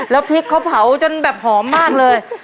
แล้วพริกเขาเผาจนแบบหอมมากเลย